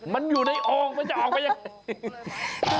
มันอยู่ในอองมันจะออกไปยังไง